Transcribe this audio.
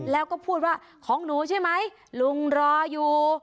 แล้วก็พูดว่าของหนูใช่ไหมลุงรออยู่